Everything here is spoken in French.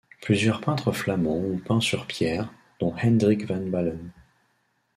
Plusieurs peintres flamands ont peint sur pierre, dont Hendrick van Balen.